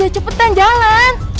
udah cepetan jalan